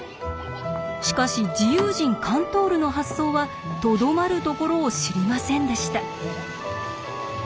しかし自由人カントールの発想はとどまるところを知りませんでした。